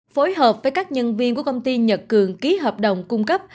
phối hợp với các nhân viên của công ty nhật cường ký hợp đồng cung cấp